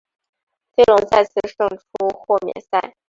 飞龙再次胜出豁免赛。